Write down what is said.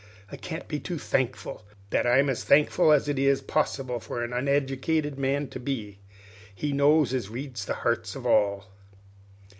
I can't be too thankful. That I'm as thankful as it is possible for an uneddicated man to be, He knows as reads the heart of all."